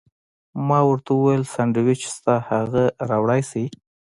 ما ورته وویل: سانډویچ شته، هغه راوړلی شې؟